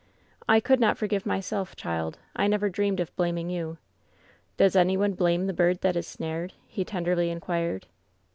'* ^I could not forgive myself, child. I never dreamed of blaming you. Does any one blame the bird that is finared V he tenderly inquired.